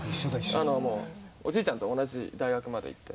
おじいちゃんと同じ大学まで行って。